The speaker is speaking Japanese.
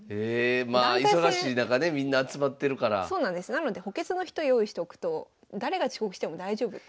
なので補欠の人用意しとくと誰が遅刻しても大丈夫っていう。